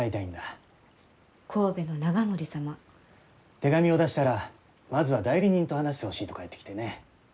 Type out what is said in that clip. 手紙を出したらまずは代理人と話してほしいと返ってきてね。